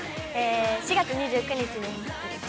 ４月２９日